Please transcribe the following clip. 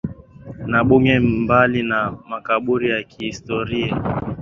na bunge Mbali na makaburi ya kihistoria